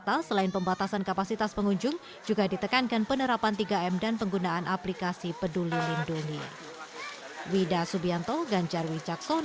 di lokasi wisata selain pembatasan kapasitas pengunjung juga ditekankan penerapan tiga m dan penggunaan aplikasi peduli lindungi